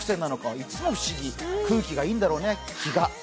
いつも不思議、空気がいいんだろうね、気が。